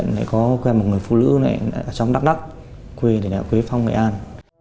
có quen một người phụ nữ ở trong đắk đắk quê này là quế phong nghệ an